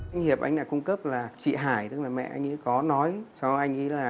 anh hiệp anh đã cung cấp là chị hải tức là mẹ anh ấy có nói cho anh ấy là